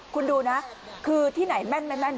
คุณดูนะคือที่ไหนแม่น